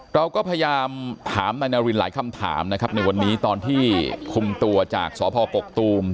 เราก็พยายามถามนายนารินหลายคำถามนะครับในวันนี้ตอนที่คุมตัวจากสพกกตูม